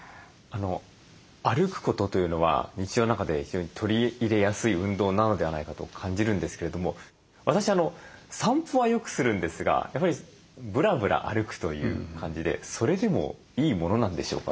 歩くことというのは日常の中で非常に取り入れやすい運動なのではないかと感じるんですけれども私散歩はよくするんですがやっぱりブラブラ歩くという感じでそれでもいいものなんでしょうか？